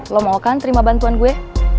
lo mau kan terima bantuan gue